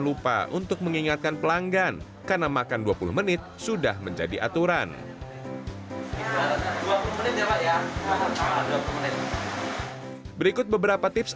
lupa untuk mengingatkan pelanggan karena makan dua puluh menit sudah menjadi aturan berikut beberapa tips